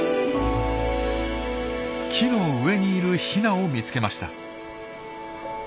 木の上にいるヒナを見つけました。